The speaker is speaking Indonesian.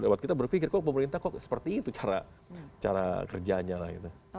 buat kita berpikir kok pemerintah kok seperti itu cara kerjanya lah gitu